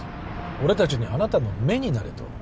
俺たちにあなたの目になれと？